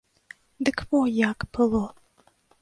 Дык во як было.